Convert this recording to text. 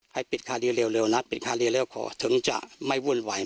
ให้ปิดค่าเร็วนะปิดค่าเร็วขอถึงจะไม่วุ่นไหวนะ